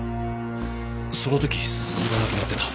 その時鈴がなくなってた。